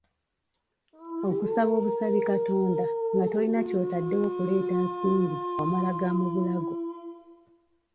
Okusaba obusabi Katonda nga tolina ky'otaddewo kuleeta nsimbi omala ga mu bulago